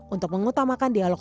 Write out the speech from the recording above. untuk mengutamakan diri mereka